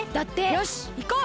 よしいこう！